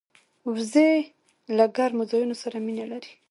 وزې له ګرمو ځایونو سره مینه لري